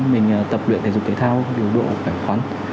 mình tập luyện thể dục thể thao điều độ khỏe khoắn